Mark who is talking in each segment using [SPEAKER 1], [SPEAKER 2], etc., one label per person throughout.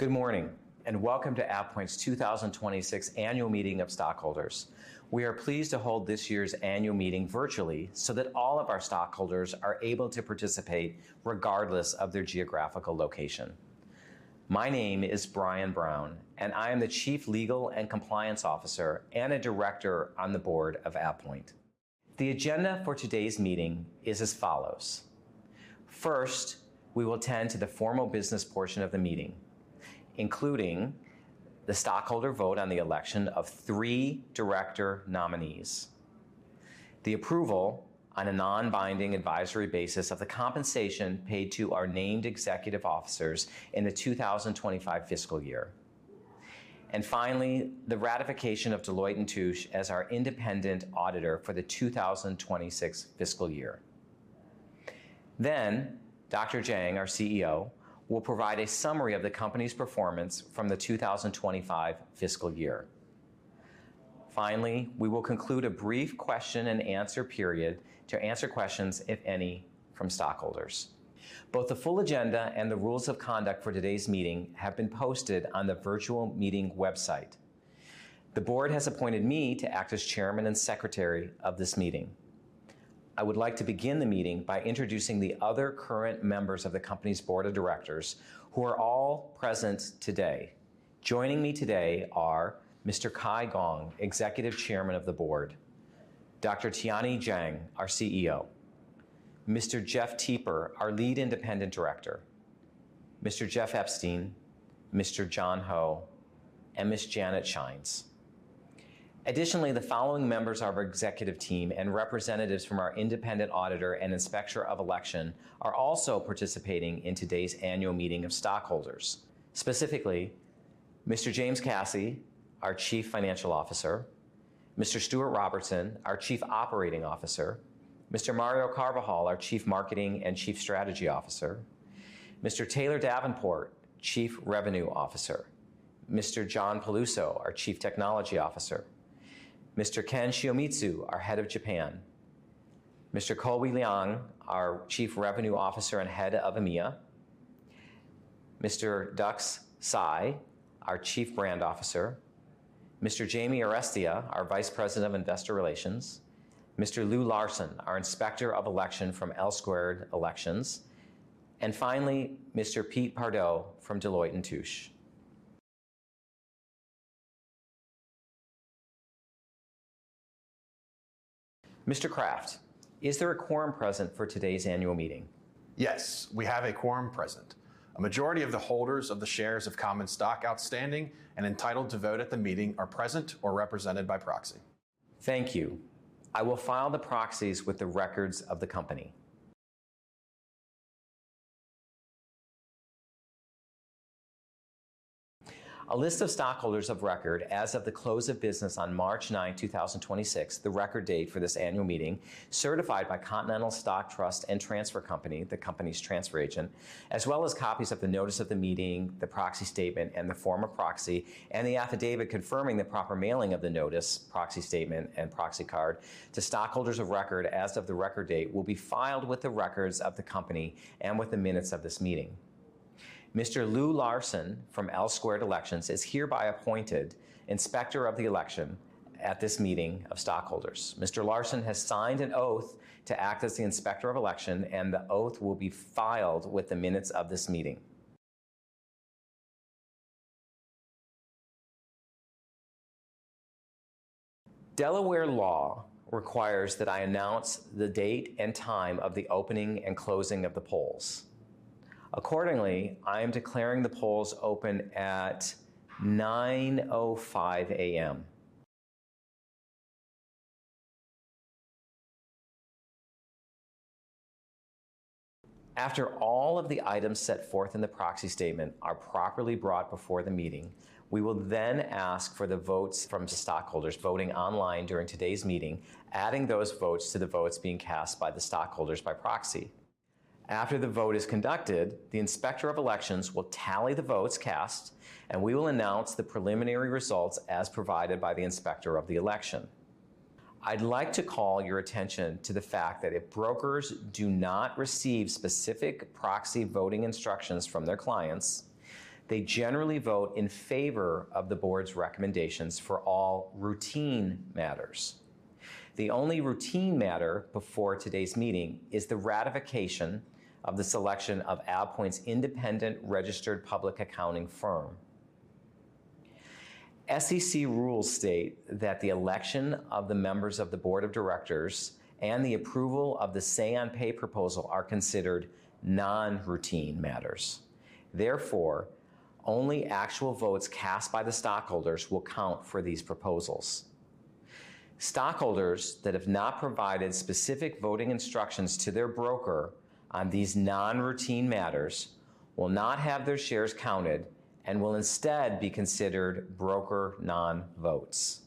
[SPEAKER 1] Good morning, and welcome to AvePoint's 2026 Annual Meeting of Stockholders. We are pleased to hold this year's annual meeting virtually so that all of our stockholders are able to participate regardless of their geographical location. My name is Brian Brown, and I am the Chief Legal and Compliance Officer and a Director on the Board of AvePoint. The agenda for today's meeting is as follows. First, we will tend to the formal business portion of the meeting, including the stockholder vote on the election of three director nominees, the approval on a non-binding advisory basis of the compensation paid to our named executive officers in the 2025 fiscal year, and finally, the ratification of Deloitte & Touche as our independent auditor for the 2026 fiscal year. Then, Dr. Jiang, our CEO, will provide a summary of the company's performance from the 2025 fiscal year. Finally, we will conclude a brief question and answer period to answer questions, if any, from stockholders. Both the full agenda and the rules of conduct for today's meeting have been posted on the virtual meeting website. The Board has appointed me to act as Chairman and Secretary of this meeting. I would like to begin the meeting by introducing the other current members of the company's Board of Directors who are all present today. Joining me today are Mr. Kai Gong, Executive Chairman of the Board, Dr. Tianyi Jiang, our CEO, Mr. Jeff Teper, our Lead Independent Director, Mr. Jeff Epstein, Mr. John Ho, and Ms. Janet Schijns. Additionally, the following members of our executive team and representatives from our independent auditor and inspector of election are also participating in today's Annual Meeting of Stockholders. Specifically, Mr. Jim Caci, our Chief Financial Officer, Mr. Stuart Robertson, our Chief Operating Officer, Mr. Mario Carvajal, our Chief Marketing and Chief Strategy Officer, Mr. Taylor Davenport, Chief Revenue Officer, Mr. John Peluso, our Chief Technology Officer, Mr. Ken Shiomitsu, our Head of Japan, Mr. Coby Liang, our Chief Revenue Officer and Head of EMEA, Mr. Dux Raymond Sy, our Chief Brand Officer, Mr. James Arestia, our Vice President of Investor Relations, Mr. Lou Larsen, our Inspector of Election from L-Squared Elections, and finally, Mr. John Pardoe from Deloitte & Touche. Mr. Craft, is there a quorum present for today's annual meeting?
[SPEAKER 2] Yes, we have a quorum present. A majority of the holders of the shares of common stock outstanding and entitled to vote at the meeting are present or represented by proxy.
[SPEAKER 1] Thank you. I will file the proxies with the records of the company. A list of stockholders of record as of the close of business on March 9, 2026, the record date for this annual meeting, certified by Continental Stock Transfer & Trust Company, the company's transfer agent, as well as copies of the notice of the meeting, the proxy statement, and the form of proxy, and the affidavit confirming the proper mailing of the notice, proxy statement, and proxy card to stockholders of record as of the record date will be filed with the records of the company and with the minutes of this meeting. Mr. Lou Larsen from L-Squared Elections is hereby appointed Inspector of the Election at this meeting of stockholders. Mr. Larsen has signed an oath to act as the Inspector of Election, and the oath will be filed with the minutes of this meeting. Delaware law requires that I announce the date and time of the opening and closing of the polls. Accordingly, I am declaring the polls open at 9:05 A.M. After all of the items set forth in the proxy statement are properly brought before the meeting, we will ask for the votes from the stockholders voting online during today's meeting, adding those votes to the votes being cast by the stockholders by proxy. After the vote is conducted, the Inspector of Election will tally the votes cast, and we will announce the preliminary results as provided by the Inspector of the Election. I'd like to call your attention to the fact that if brokers do not receive specific proxy voting instructions from their clients, they generally vote in favor of the Board's recommendations for all routine matters. The only routine matter before today's meeting is the ratification of the selection of AvePoint's independent registered public accounting firm. SEC rules state that the election of the members of the Board of Directors and the approval of the say-on-pay proposal are considered non-routine matters. Therefore, only actual votes cast by the stockholders will count for these proposals. Stockholders that have not provided specific voting instructions to their broker on these non-routine matters will not have their shares counted and will instead be considered broker non-votes.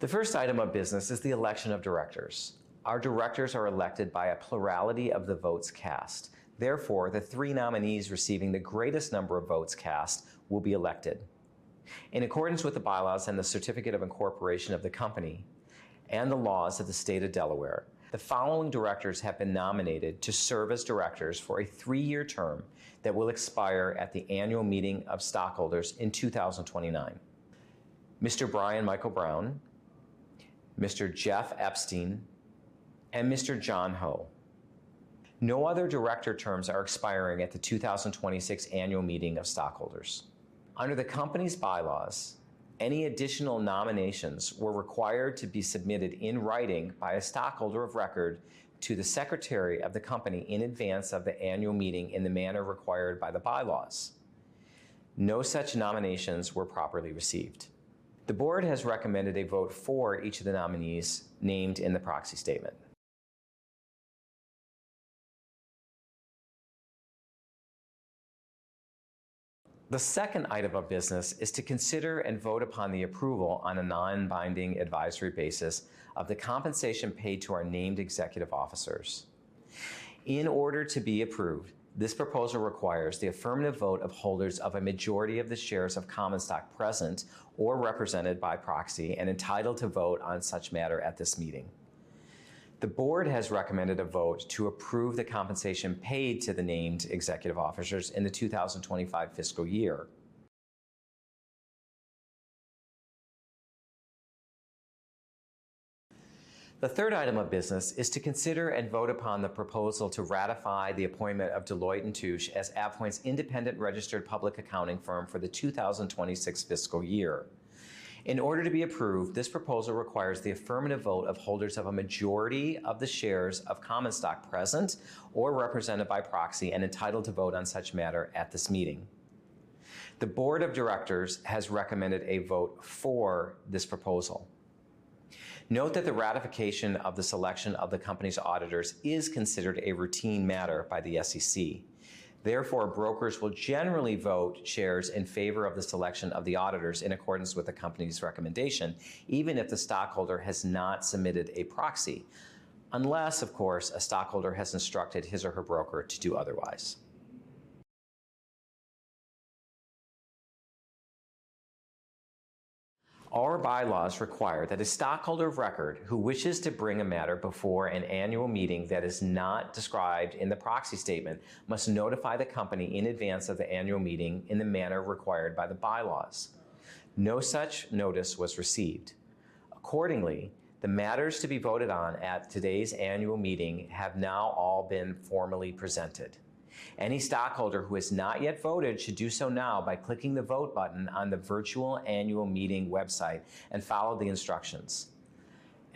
[SPEAKER 1] The first item of business is the election of directors. Our directors are elected by a plurality of the votes cast. Therefore, the three nominees receiving the greatest number of votes cast will be elected. In accordance with the bylaws and the certificate of incorporation of the company and the laws of the State of Delaware, the following directors have been nominated to serve as directors for a three-year term that will expire at the Annual Meeting of Stockholders in 2029: Mr. Brian Michael Brown, Mr. Jeff Epstein, and Mr. John Ho. No other director terms are expiring at the 2026 Annual Meeting of Stockholders. Under the company's bylaws, any additional nominations were required to be submitted in writing by a stockholder of record to the secretary of the company in advance of the annual meeting in the manner required by the bylaws. No such nominations were properly received. The Board has recommended a vote for each of the nominees named in the proxy statement. The second item of business is to consider and vote upon the approval on a non-binding advisory basis of the compensation paid to our named executive officers. In order to be approved, this proposal requires the affirmative vote of holders of a majority of the shares of common stock present or represented by proxy and entitled to vote on such matter at this meeting. The Board has recommended a vote to approve the compensation paid to the named executive officers in the 2025 fiscal year. The third item of business is to consider and vote upon the proposal to ratify the appointment of Deloitte & Touche as AvePoint's independent registered public accounting firm for the 2026 fiscal year. In order to be approved, this proposal requires the affirmative vote of holders of a majority of the shares of common stock present or represented by proxy and entitled to vote on such matter at this meeting. The Board of Directors has recommended a vote for this proposal. Note that the ratification of the selection of the company's auditors is considered a routine matter by the SEC. Therefore, brokers will generally vote shares in favor of the selection of the auditors in accordance with the company's recommendation, even if the stockholder has not submitted a proxy, unless, of course, a stockholder has instructed his or her broker to do otherwise. Our bylaws require that a stockholder of record who wishes to bring a matter before an annual meeting that is not described in the proxy statement must notify the company in advance of the annual meeting in the manner required by the bylaws. No such notice was received. Accordingly, the matters to be voted on at today's annual meeting have now all been formally presented. Any stockholder who has not yet voted should do so now by clicking the Vote button on the virtual annual meeting website and follow the instructions.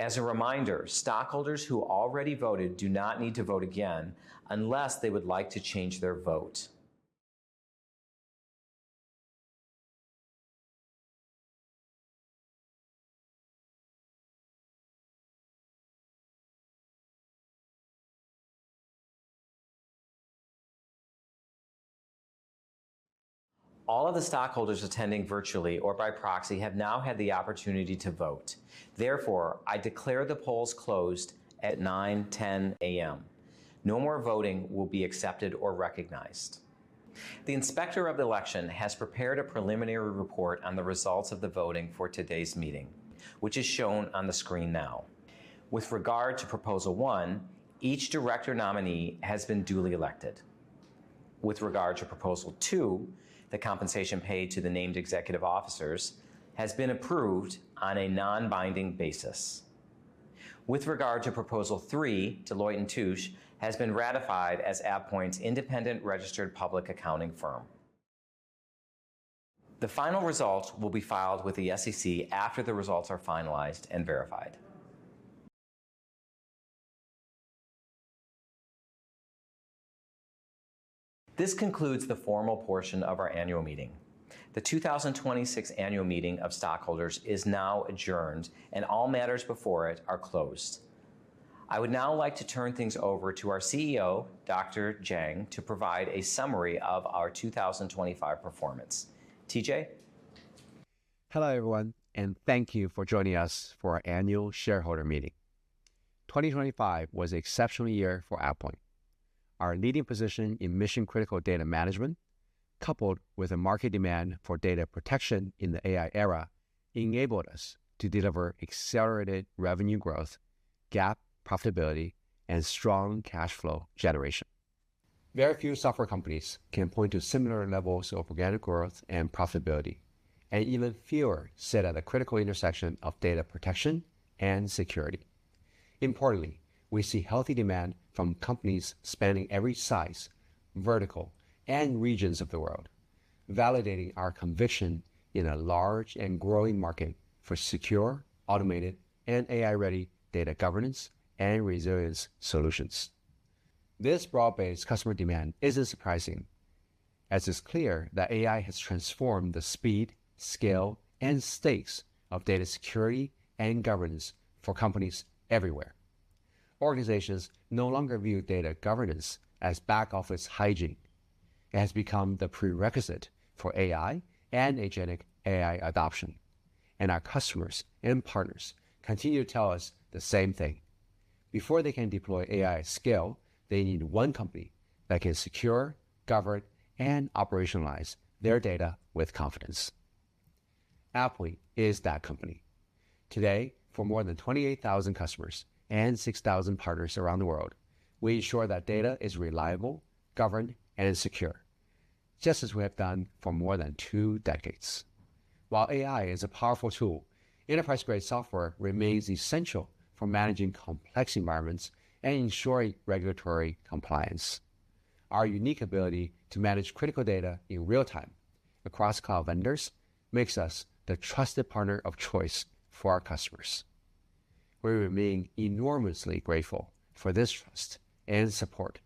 [SPEAKER 1] As a reminder, stockholders who already voted do not need to vote again unless they would like to change their vote. All of the stockholders attending virtually or by proxy have now had the opportunity to vote. Therefore, I declare the polls closed at 9:10 A.M. No more voting will be accepted or recognized. The Inspector of the Election has prepared a preliminary report on the results of the voting for today's meeting, which is shown on the screen now. With regard to proposal one, each director nominee has been duly elected. With regard to proposal two, the compensation paid to the named executive officers has been approved on a non-binding basis. With regard to proposal three, Deloitte & Touche has been ratified as AvePoint's independent registered public accounting firm. The final results will be filed with the SEC after the results are finalized and verified. This concludes the formal portion of our annual meeting. The 2026 Annual Meeting of Stockholders is now adjourned, and all matters before it are closed. I would now like to turn things over to our CEO, Dr. Jiang, to provide a summary of our 2025 performance. TJ?
[SPEAKER 3] Hello, everyone, and thank you for joining us for our annual shareholder meeting. 2025 was an exceptional year for AvePoint. Our leading position in mission-critical data management, coupled with a market demand for data protection in the AI era, enabled us to deliver accelerated revenue growth, GAAP profitability, and strong cash flow generation. Very few software companies can point to similar levels of organic growth and profitability, and even fewer sit at a critical intersection of data protection and security. Importantly, we see healthy demand from companies spanning every size, vertical, and regions of the world, validating our conviction in a large and growing market for secure, automated, and AI-ready data governance and resilience solutions. This broad-based customer demand isn't surprising, as it's clear that AI has transformed the speed, scale, and stakes of data security and governance for companies everywhere. Organizations no longer view data governance as back-office hygiene. It has become the prerequisite for AI and agentic AI adoption. Our customers and partners continue to tell us the same thing. Before they can deploy AI at scale, they need one company that can secure, govern, and operationalize their data with confidence. AvePoint is that company. Today, for more than 28,000 customers and 6,000 partners around the world, we ensure that data is reliable, governed, and is secure, just as we have done for more than two decades. While AI is a powerful tool, enterprise-grade software remains essential for managing complex environments and ensuring regulatory compliance. Our unique ability to manage critical data in real time across cloud vendors makes us the trusted partner of choice for our customers. We remain enormously grateful for this trust and support.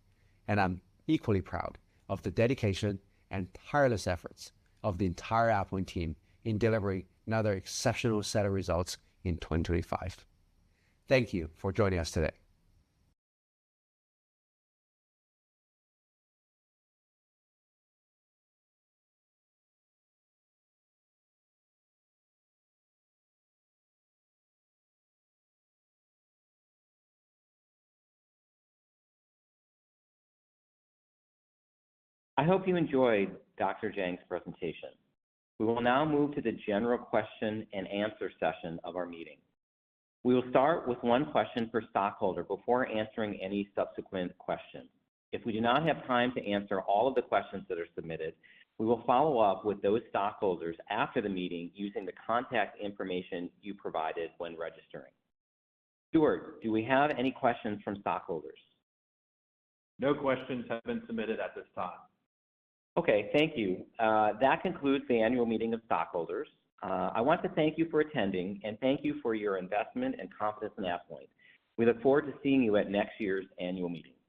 [SPEAKER 3] I'm equally proud of the dedication and tireless efforts of the entire AvePoint team in delivering another exceptional set of results in 2025. Thank you for joining us today.
[SPEAKER 1] I hope you enjoyed Dr. Jiang's presentation. We will now move to the general question and answer session of our meeting. We will start with one question per stockholder before answering any subsequent questions. If we do not have time to answer all of the questions that are submitted, we will follow up with those stockholders after the meeting using the contact information you provided when registering. Stuart, do we have any questions from stockholders?
[SPEAKER 2] No questions have been submitted at this time.
[SPEAKER 1] Okay. Thank you. That concludes the Annual Meeting of Stockholders. I want to thank you for attending, and thank you for your investment and confidence in AvePoint. We look forward to seeing you at next year's annual meeting.